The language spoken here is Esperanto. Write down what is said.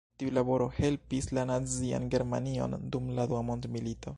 Tiu laboro helpis la nazian Germanion dum la dua mondmilito.